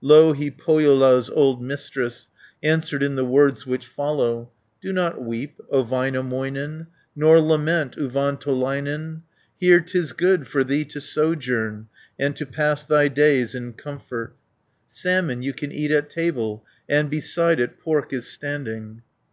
Louhi, Pohjola's old Mistress, Answered in the words which follow: "Do not weep, O Väinämöinen, Nor lament, Uvantolainen. 270 Here 'tis good for thee to sojourn, And to pass thy days in comfort. Salmon you can eat at table, And beside it pork is standing."